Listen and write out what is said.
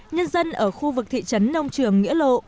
nhân dân ở khu vực thị trấn nông trường nghĩa lộ